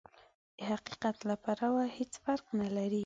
د حقيقت له پلوه هېڅ فرق نه لري.